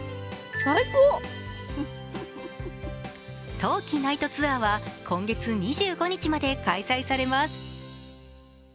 冬季ナイトツアーは今月２５日まで開催されます。